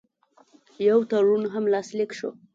یو تړون هم لاسلیک شو.